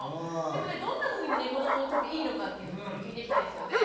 でもどんなふうにね子どもにとっていいのかっていうところも聞いていきたいですよね。